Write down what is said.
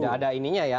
tidak ada ininya ya